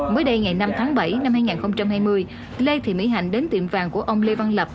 mới đây ngày năm tháng bảy năm hai nghìn hai mươi lê thị mỹ hạnh đến tiệm vàng của ông lê văn lập